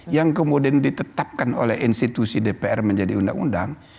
yang kemudian ditetapkan oleh institusi dpr menjadi undang undang